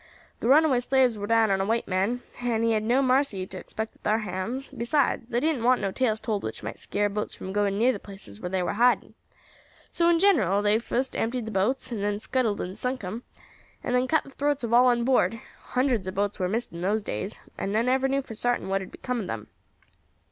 The runaway slaves war down on a white man, and he had no marcy to expect at thar hands; besides, they didn't want no tales told which might scare boats from going near the places where they war hiding. So in general they fust emptied the boats, and then scuttled and sunk them, and cut the throats of all on board. Hundreds of boats war missed in those days, and none ever knew for sartin what had become of them.